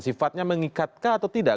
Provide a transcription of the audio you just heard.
sifatnya mengikatkah atau tidak